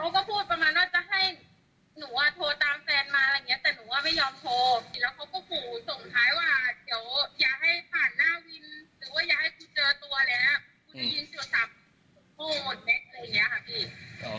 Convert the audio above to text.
คู่มดแม่งคอยแบบนี้ค่ะพี่